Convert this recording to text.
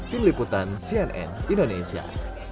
tim liputan cnn indonesia